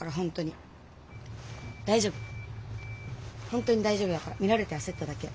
本当に大丈夫だから見られて焦っただけ。